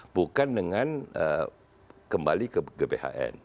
bukan dengan kembali ke gbhn